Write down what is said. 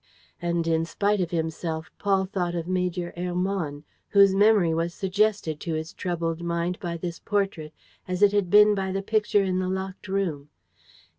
And, in spite of himself, Paul thought of Major Hermann, whose memory was suggested to his troubled mind by this portrait, as it had been by the picture in the locked room.